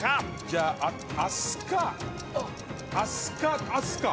じゃああすか。